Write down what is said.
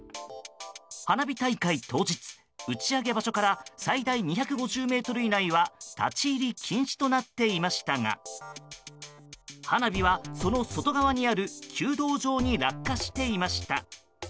花火大会当日、打ち上げ場所から最大２５０ｍ以内は立ち入り禁止となっていましたが花火は、その外側にある弓道場に落下していました。